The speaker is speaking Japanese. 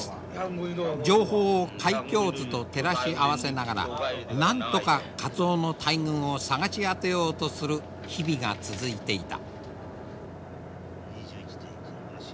情報を海況図と照らし合わせながらなんとかカツオの大群を探し当てようとする日々が続いていた。